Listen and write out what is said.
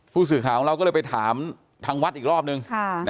ผู้สื่อข่าวของเราก็เลยไปถามทางวัดอีกรอบนึง